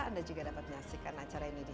anda juga dapat menyaksikan acara ini